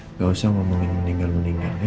enggak usah ngomongin meninggal meninggal ya